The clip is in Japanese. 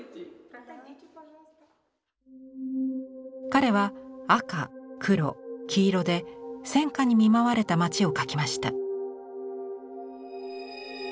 彼は赤黒黄色で戦禍に見舞われた町を描きました。